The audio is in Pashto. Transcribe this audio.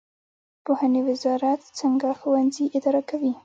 پوهنې وزارت څنګه ښوونځي اداره کوي؟